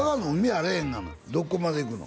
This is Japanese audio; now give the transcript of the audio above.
あらへんがなどこまで行くの？